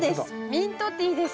ミントティーです。